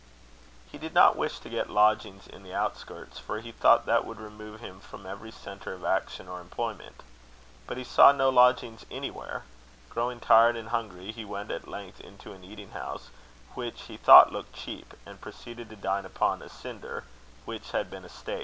He did not wish to get lodgings in the outskirts, for he thought that would remove him from every centre of action or employment. But he saw no lodgings anywhere. Growing tired and hungry, he went at length into an eating house, which he thought looked cheap; and proceeded to dine upon a cinder, which had been a steak.